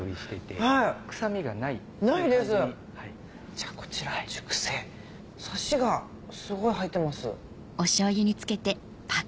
じゃあこちら熟成サシがすごい入ってます。